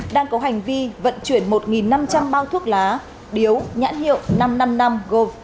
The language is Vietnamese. đang có hành vi vận chuyển một năm trăm linh bao thuốc lá điếu nhãn hiệu năm trăm năm mươi năm gồm